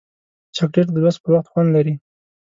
چاکلېټ د لوست پر وخت خوند لري.